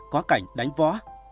có cảnh đánh vó